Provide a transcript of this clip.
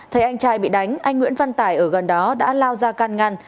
thấy anh trai bị đánh anh nguyễn văn tải ở gần đó đã lao ra can ngăn